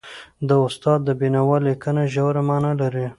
د استاد د بينوا لیکنه ژوره معنا لري.